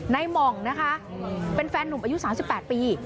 หม่องนะคะเป็นแฟนหนุ่มอายุ๓๘ปี